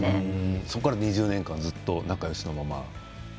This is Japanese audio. そこから２０年間ずっと仲よしのまま。